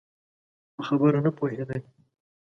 په خبره نه پوهېدی؟